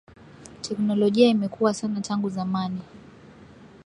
Teknologia imekua sana tangu zamani.